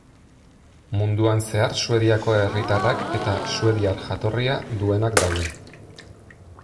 Munduan zehar Suediako herritarrak eta suediar jatorria duenak daude.